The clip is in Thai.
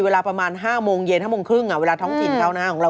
เวลาประมาณ๕โมงเย็น๕โมงครึ่งเวลาท้องจินเขานะ